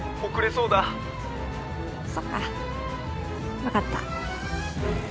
そっか分かった。